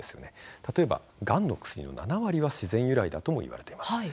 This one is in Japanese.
例えばがんの薬の７割は自然由来だといわれています。